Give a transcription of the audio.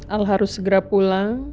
al harus segera pulang